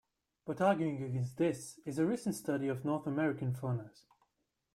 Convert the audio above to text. But arguing against this is a recent study of North American faunas.